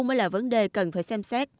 mới là vấn đề cần phải xem xét